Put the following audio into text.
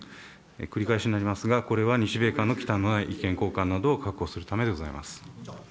繰り返しになりますが、これは日米間のきたんのない意見交換などを確保するためでございます。